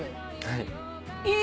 はい。